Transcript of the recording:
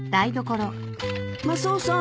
マスオさん